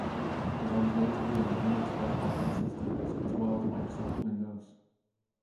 It runs natively on Unix-like operating systems as well as Microsoft Windows.